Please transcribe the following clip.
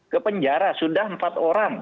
ke penjara sudah empat orang